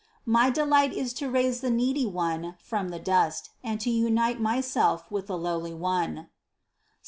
My delight is to raise the needy one from the dust and to unite Myself with the lowly one (Ps.